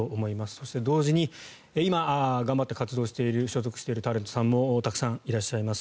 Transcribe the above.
そして、同時に今頑張って活動している所属しているタレントさんもたくさんいらっしゃいます。